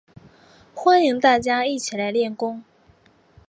欢迎大家一起来练功